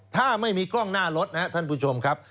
ถ้าไม่มีกล้องหน้ารถนะครับท่านผู้ชมครับ